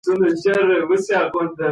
بهرنۍ تګلاره یوازې د لنډو ګټو لپاره نه ده.